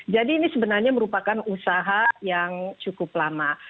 ini sebenarnya merupakan usaha yang cukup lama